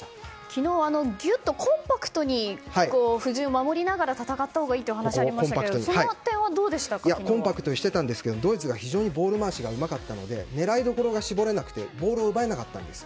昨日、ぎゅっとコンパクトに布陣を守りながら戦ったほうがいいという話がありましたがコンパクトにしてたんですけどドイツが非常にボール回しがうまかったので狙いどころが絞れなくてボールを奪えなかったんです。